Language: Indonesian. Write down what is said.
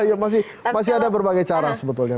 yang masih ada berbagai cara sebetulnya